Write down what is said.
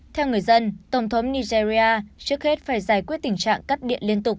theo người dân tổng thống nigeria trước hết phải giải quyết tình trạng cắt điện liên tục